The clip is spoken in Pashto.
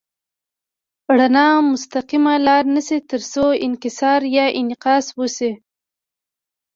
رڼا مستقیمه لاره نیسي تر څو انکسار یا انعکاس وشي.